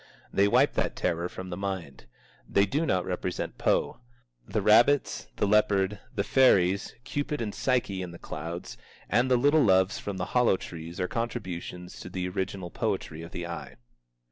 They wipe that terror from the mind. They do not represent Poe. The rabbits, the leopard, the fairies, Cupid and Psyche in the clouds, and the little loves from the hollow trees are contributions to the original poetry of the eye.